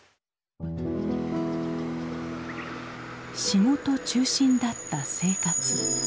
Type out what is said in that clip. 仕事中心だった生活。